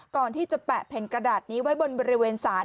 ก่อนที่จะแปะแผ่นกระดาษนี้ไว้บนบริเวณศาล